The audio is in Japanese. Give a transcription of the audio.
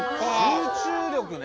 集中力ね。